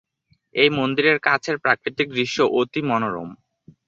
এই মন্দিরের কাছের প্রাকৃতিক দৃশ্য অতি মনোরম।